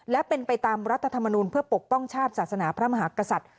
และเป็นไปตามรัฐธรรมนูลเพื่อปกป้องชาติศาสนาพระมหากษัตริย์